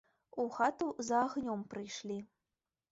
У хату за агнём прыйшлі.